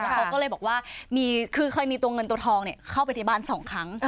เขาก็เลยบอกว่าคือเคยมีตัวเงินตัวทองเข้าไปที่บ้าน๒ครั้ง